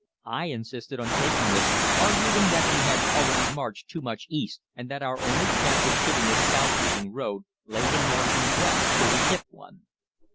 I insisted on taking this, arguing that we had already marched too much east and that our only chance of hitting a south leading road lay in marching west till we hit one.